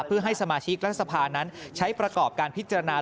เพื่อให้สมาชิกรัฐสภานั้นใช้ประกอบการพิจารณา